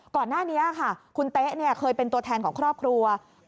ก่อนหน้านี้ค่ะคุณเต๊ะเคยเป็นตัวแทนของครอบครัว